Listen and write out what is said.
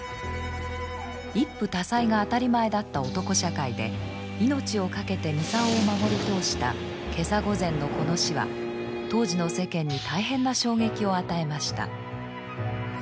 一夫多妻が当たり前だった男社会で命を懸けて操を守り通した袈裟御前のこの死は当時の世間に大変な衝撃を与えました。